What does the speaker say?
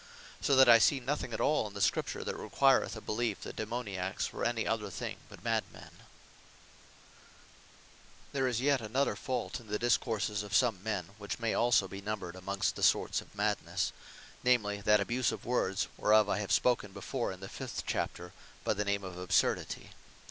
So that I see nothing at all in the Scripture, that requireth a beliefe, that Daemoniacks were any other thing but Mad men. Insignificant Speech There is yet another fault in the Discourses of some men; which may also be numbred amongst the sorts of Madnesse; namely, that abuse of words, whereof I have spoken before in the fifth chapter, by the Name of Absurdity.